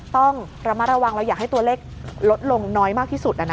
ต้องระมัดระวังเราอยากให้ตัวเลขลดลงน้อยมากที่สุด